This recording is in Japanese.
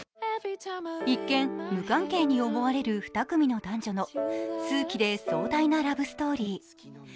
一見、無関係に思われる２組の男女の数奇で壮大なラブストーリー。